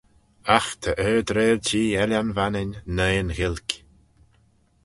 Agh ta ard-reiltee Ellan Vannin noi'n Ghaelg.